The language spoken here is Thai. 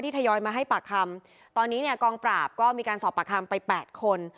ทยอยมาให้ปากคำตอนนี้เนี่ยกองปราบก็มีการสอบปากคำไป๘คน